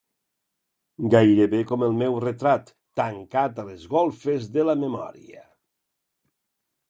Gairebé com el meu retrat, tancat a les golfes de la memòria.